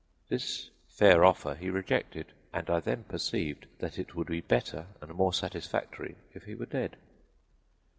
This fair offer he rejected, and I then perceived that it would be better and more satisfactory if he were dead.